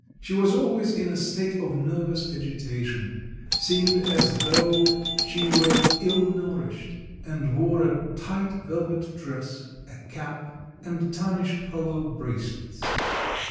She was always in a state of nervous agitation, seemed as though she were ill nourished, and wore a tight velvet dress, a cap, and tarnished hollow bracelets.